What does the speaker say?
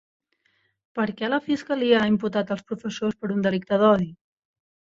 Per què la fiscalia ha imputat als professors per un delicte d'odi?